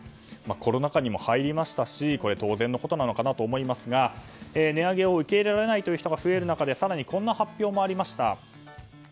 コロナ禍にも入りましたし当然のことなのかなと思いますが値上げを受け入れられない人が増える中でこんな発表もありました。